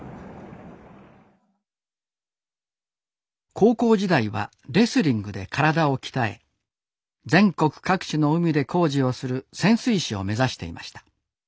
高校時代はレスリングで体を鍛え全国各地の海で工事をする潜水士を目指していました。